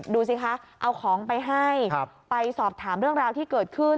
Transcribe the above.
ดูสิคะเอาของไปให้ไปสอบถามเรื่องราวที่เกิดขึ้น